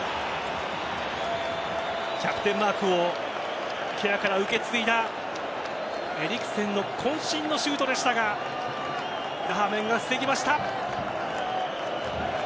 キャプテンマークをケアから受け継いだエリクセンの渾身のシュートでしたがダハメンが防ぎました。